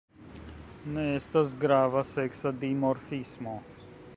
Ne estas grava seksa dimorfismo.